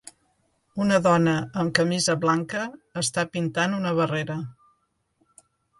Una dona amb camisa blanca està pintant una barrera.